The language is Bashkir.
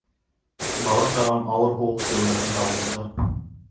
Бала сағым ауыр һуғыш йылдарында уҙҙы.